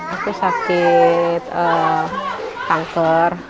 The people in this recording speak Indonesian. aku sakit kanker